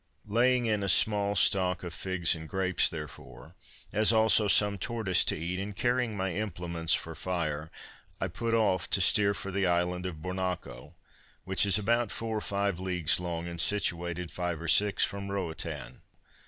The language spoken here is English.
Laying in a small stock of figs and grapes, therefore, as also some tortoise to eat, and carrying my implements for fire, I put off to steer for the island of Bornacco, which is about four or five leagues long, and situated five or six from Roatan.